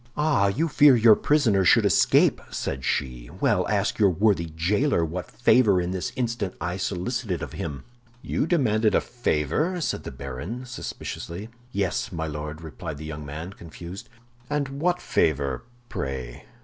"Ah, you fear your prisoner should escape!" said she. "Well, ask your worthy jailer what favor I this instant solicited of him." "You demanded a favor?" said the baron, suspiciously. "Yes, my Lord," replied the young man, confused. "And what favor, pray?"